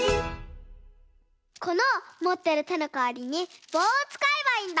このもってるてのかわりにぼうをつかえばいいんだ。